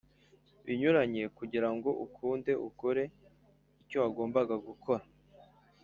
binyuranye kugira ngo ukunde ukore icyo wagombaga gukora